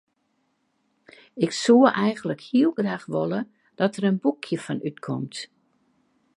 Ik soe eigentlik heel graach wolle dat der in boekje fan útkomt.